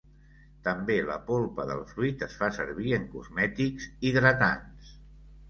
També la polpa del fruit es fa servir en cosmètics hidratants.